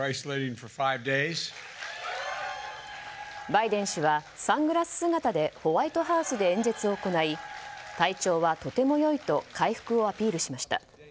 バイデン氏は、サングラス姿でホワイトハウスで演説を行い体調はとてもいいと回復をアピールしました。